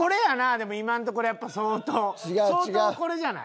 でも今のところやっぱ相当相当これじゃない？